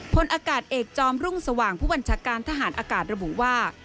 พลอากาศเอกจอมรุ่งสว่างผู้บัญชาการทหารอากาศระบุว่า